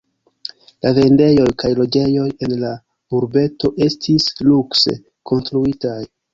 La vendejoj kaj loĝejoj en la urbeto estis lukse konstruitaj.